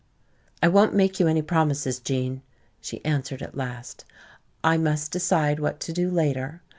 "I won't make you any promises, Gene," she answered at last. "I must decide what to do later.